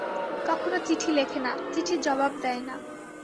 কখনো চিঠি লেখে না, চিঠির জাবাব দেয় না।